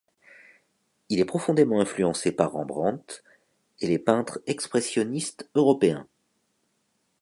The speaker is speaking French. Il est profondément influencé par Rembrandt et les peintres expressionnistes européens.